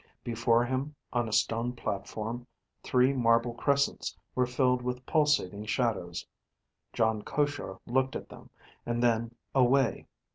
Before him, on a stone platform, three marble crescents were filled with pulsating shadows. Jon Koshar looked at them, and then away.